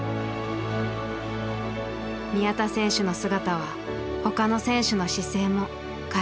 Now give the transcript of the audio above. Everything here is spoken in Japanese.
宮田選手の姿はほかの選手の姿勢も変えていったのです。